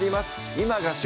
「今が旬！